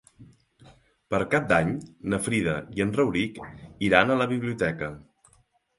Per Cap d'Any na Frida i en Rauric iran a la biblioteca.